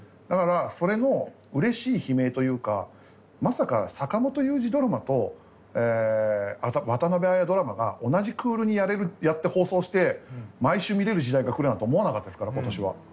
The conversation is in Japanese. だからそれのうれしい悲鳴というかまさか坂元裕二ドラマと渡辺あやドラマが同じクールにやれるやって放送して毎週見れる時代が来るなんて思わなかったですから今年は。